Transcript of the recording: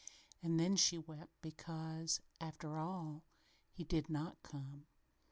And then she wept because, after all, he did not come.